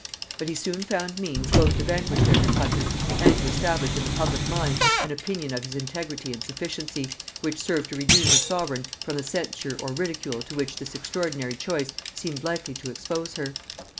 But he soon found means both to vanquish their repugnance and to establish in the public mind an opinion of his integrity and sufficiency, which served to redeem his sovereign from the censure or ridicule to which this extraordinary choice seemed likely to expose her.